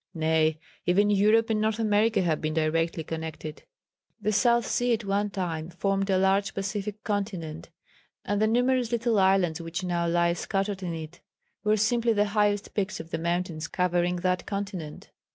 Nay, even Europe and North America have been directly connected. The South Sea at one time formed a large Pacific Continent, and the numerous little islands which now lie scattered in it were simply the highest peaks of the mountains covering that continent.